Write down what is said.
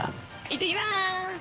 いってきます！